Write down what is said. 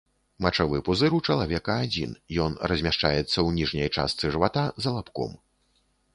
Мачавы пузыр у чалавека адзін, ён размяшчаецца ў ніжняй частцы жывата за лабком.